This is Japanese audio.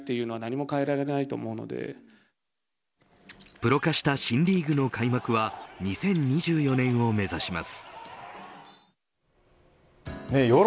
プロ化した新リーグの開幕は２０２４年を目指します。